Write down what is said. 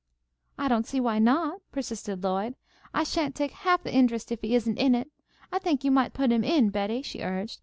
"I don't see why not," persisted Lloyd. "I sha'n't take half the interest if he isn't in it. I think you might put him in, Betty," she urged.